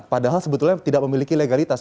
padahal sebetulnya tidak memiliki legalitas